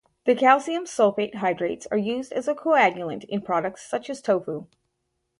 The calcium sulfate hydrates are used as a coagulant in products such as tofu.